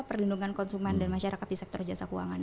perlindungan konsumen dan masyarakat di sektor jasa keuangan